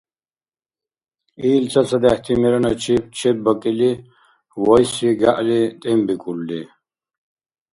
Ил цацадехӀти мераначиб чебакӀили, вайси гягӀли тӀембикӀулри.